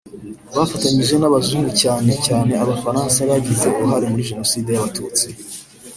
bafatanyije n’abazungu cyane cyane Abafaransa bagize uruhare muri Jenoside y’Abatutsi